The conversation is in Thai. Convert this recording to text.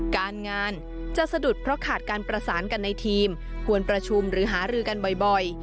การงานจะสะดุดเพราะขาดการประสานกันในทีมควรประชุมหรือหารือกันบ่อย